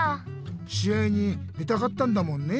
しあいに出たかったんだもんねえ